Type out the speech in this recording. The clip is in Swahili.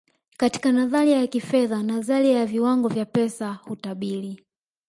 katika nadharia ya kifedha nadharia ya viwango vya pesa hutabiri